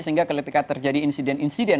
sehingga ketika terjadi insiden insiden